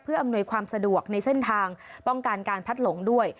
อำนวยความสะดวกในเส้นทางป้องกันการพัดหลงด้วย